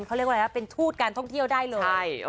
เขาเรียกว่าเป็นทูตการท่องเที่ยวได้เลย